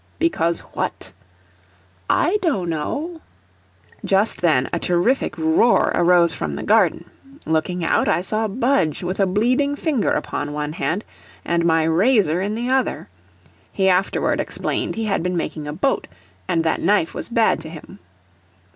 "Because what?" "I doe know." Just then a terrific roar arose from the garden. Looking out, I saw Budge with a bleeding finger upon one hand, and my razor in the other; he afterward explained he had been making a boat, and that knife was bad to him.